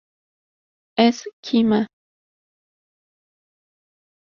Ez kî me?